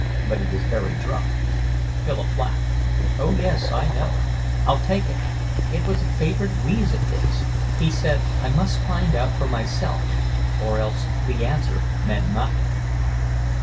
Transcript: But he was very drunk." Philip laughed. "Oh yes, I know. I'll take it. It was a favourite wheeze of his. He said I must find out for myself, or else the answer meant nothing."